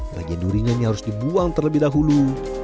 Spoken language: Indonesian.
bagian durinya ini harus dibuang terlebih dahulu